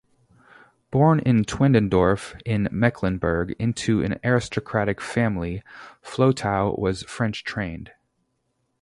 Born in Teutendorf, in Mecklenburg, into an aristocratic family, Flotow was French-trained.